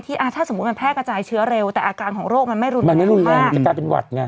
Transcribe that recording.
ถ้าสมมุติมันแพร่กระจายเชื้อเร็วแต่อาการของโรคมันไม่รุนแรง